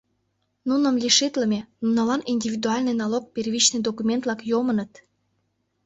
Нуным лишитлыме, нунылан индивидуальный налог первичный документ-влак «йомыныт».